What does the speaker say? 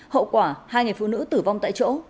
hậu quả hai người phụ nữ tử vong tại chỗ